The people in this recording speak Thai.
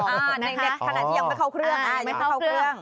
ขนาดที่ยังไม่เข้าเครื่อง